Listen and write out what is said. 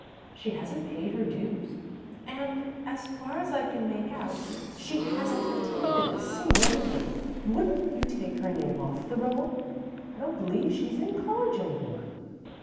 She hasn't paid her dues, and, as far as I can make out, she hasn't attended a single meeting. Wouldn't you take her name off the roll? I don't believe she's in college any more."